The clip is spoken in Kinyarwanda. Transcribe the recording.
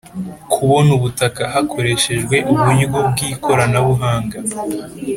Kubona ubutaka hakoreshejwe uburyo bw ikoranabuhanga